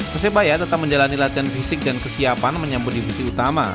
persebaya tetap menjalani latihan fisik dan kesiapan menyambut divisi utama